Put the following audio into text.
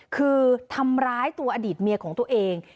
คือทำร้ายตัวอดีตเมียของตัวเอง